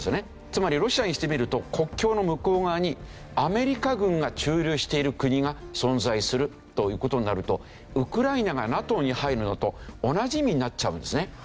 つまりロシアにしてみると国境の向こう側にアメリカ軍が駐留している国が存在するという事になるとウクライナがＮＡＴＯに入るのと同じ意味になっちゃうんですね。